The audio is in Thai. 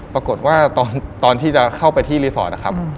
ปรากฏว่าตอนที่จะเข้าไปที่รีสอร์ทนะครับ